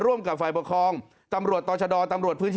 ร่วมกับไฟปกคลองตำรวจต่อชะดอย่างต่ำรวชพื้นที่